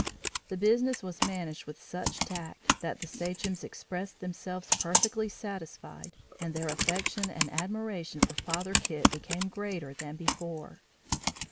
The business was managed with such tact that the sachems expressed themselves perfectly satisfied and their affection and admiration for Father Kit became greater than before.